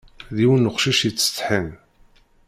D yiwen n uqcic yettsetḥin.